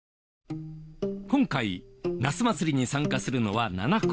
今回ナスまつりに参加するのは７校。